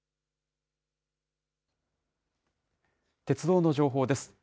鉄道の情報です。